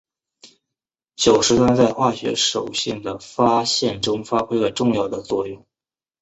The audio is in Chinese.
酒石酸在化学手性的发现中发挥了重要的作用。